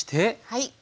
はい。